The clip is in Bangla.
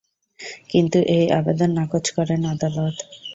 কিন্তু এই আবেদন নাকচ করেন আদালত।